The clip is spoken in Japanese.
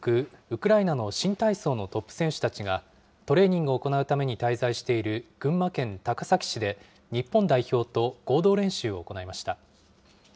ウクライナの新体操のトップ選手たちが、トレーニングを行うために滞在している群馬県高崎市で、日本代表と合同練習を行いました。